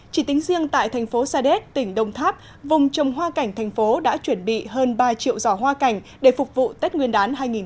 chỉ tính riêng tại thành phố sa đéc tỉnh đông tháp vùng trồng hoa cảnh thành phố đã chuẩn bị hơn ba triệu giỏ hoa cảnh để phục vụ tết nguyên đán hai nghìn hai mươi